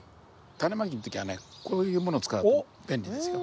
タネまきの時はねこういうものを使うと便利ですよ。